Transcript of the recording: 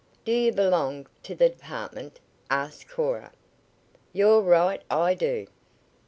"Do you belong to the department?" asked Cora. "You're right, I do."